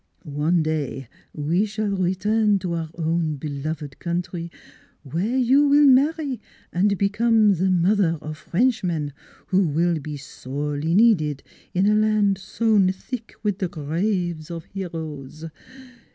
One day we shall return to our own beloved country, where you will marry and become the 186 NEIGHBORS 187 mother of Frenchmen, who will be sorely needed in a land sown thick with the graves of heroes.